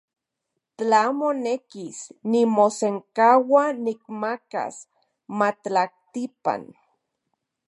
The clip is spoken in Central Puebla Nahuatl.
Tla monekis, nimosenkaua nikmakas matlaktipan.